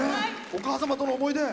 お母様との思い出。